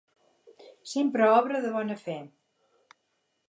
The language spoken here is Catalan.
Sempre obra de bona fe.